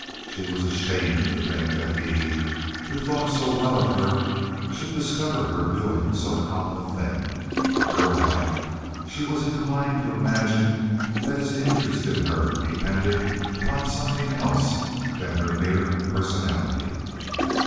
She was ashamed to think that he, who thought so well of her, should discover her doing so common a thing. Girl like, she was inclined to imagine that his interest in her depended upon something else than her mere personality.